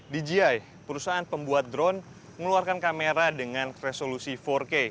dji perusahaan pembuat drone mengeluarkan kamera dengan resolusi empat k